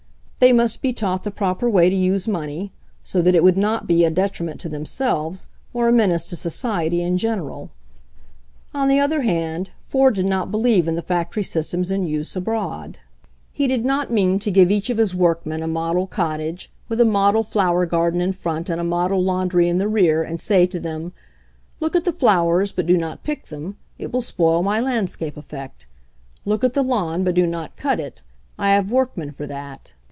They must be taught the proper way to use money, so that it would not be a detriment to themselves or a menace to society in general. On the other hand, Ford did not believe in the factory systems in use abroad. He did not mean *^ MAKING IT PAY 157 to give each of his workmen a model cottage, with a model flower garden in front and a model laundry in the rear, and say to them : "Look at the flowers, but do not pick them; it will spoil my landscape effect. Look at the lawn, but do not cut it ; I have workmen for that."